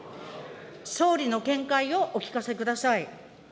総理の見解をお聞かせください。